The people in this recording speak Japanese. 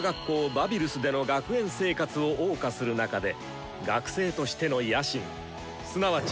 バビルスでの学園生活をおう歌する中で学生としての野心すなわち目標を定める。